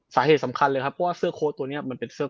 สาเหตุสำคัญเลยครับเพราะว่าเสื้อโค้ดตัวเนี่ย